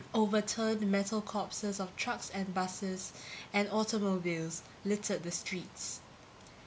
Overturned metal corpses of trucks, busses and automobiles littered the streets.